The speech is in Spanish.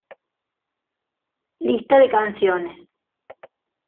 Lista de canciones